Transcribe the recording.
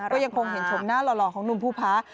ก็ยังคงเห็นชมหน้าหล่อของหนุ่มภูพา